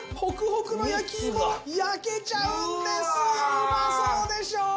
うまそうでしょ？